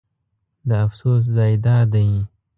د افسوس ځای دا دی.